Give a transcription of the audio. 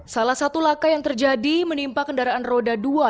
salah satu laka yang terjadi menimpa kendaraan roda dua